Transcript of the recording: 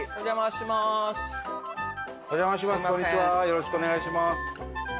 よろしくお願いします。